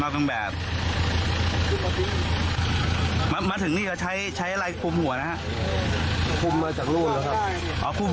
อ๋อคุมหัวมาจากปรามกง